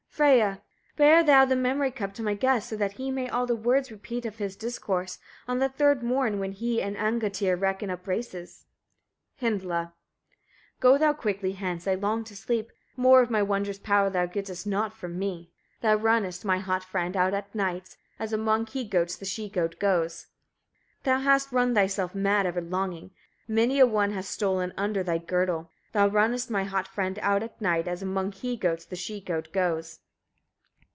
Freyia. 43. Bear thou the memory cup to my guest, so that he may all the words repeat of this, discourse, on the third morn, when he and Angantyr reckon up races. Hyndla. 44. Go thou quickly hence, I long to sleep; more of my wondrous power thou gettest not from me. Thou runnest, my hot friend, out at nights, as among he goats the she goat goes. 45. Thou hast run thyself mad, ever longing; many a one has stolen under thy girdle. Thou runnest, my hot friend, out at nights, as among he goats, the she goat goes.